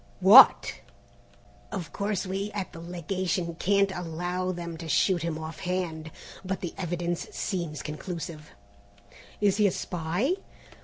"What!" "Of course we at the Legation can't allow them to shoot him off hand, but the evidence seems conclusive." "Is he a spy?"